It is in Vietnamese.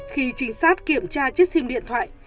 khi trinh sát kiểm tra chiếc sim điện thoại